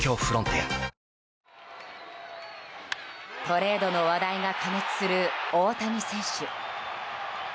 トレードの話題が過熱する大谷選手。